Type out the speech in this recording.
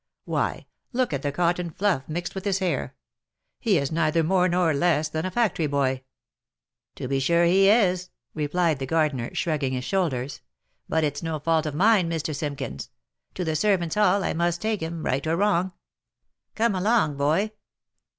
Why, look at the cotton fluff mixed with his hair ! He is neither more nor less than a factory boy." " To'be sure he is," replied the gardener, shrugging his shoul ders, " but it's no fault of mine, Mr. Simkins ; to the servants' hall I must take him, right or wrong. Come along, boy."